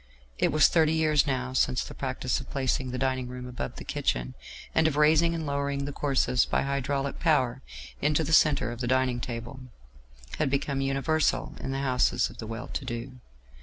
It was thirty years now since the practice of placing the dining room above the kitchen, and of raising and lowering the courses by hydraulic power into the centre of the dining table, had become universal in the houses of the well to do.